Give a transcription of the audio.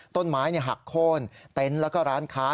ต้นไม้หักโค้นเต็นต์แล้วก็ร้านค้า